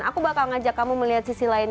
aku bakal ngajak kamu melihat sisi lain